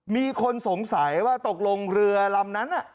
มีคนสงสัยว่าตกลงเรือลำนั้น